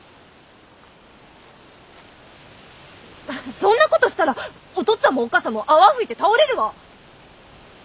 そんなことしたらおとっつあんもおっかさんも泡吹いて倒れるわ！